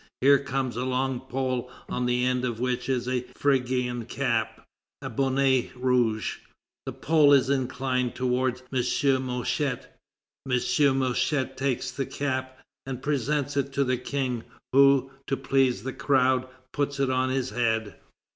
Here comes a long pole on the end of which is a Phrygian cap, a bonnet rouge. The pole is inclined towards M. Mouchet. M. Mouchet takes the cap and presents it to the King, who, to please the crowd, puts it on his head.